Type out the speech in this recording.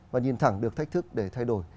và nhìn thẳng được thách thức để thay đổi